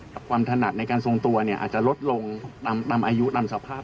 แต่ความถนัดในการทรงตัวเนี่ยอาจจะลดลงตามอายุตามสภาพ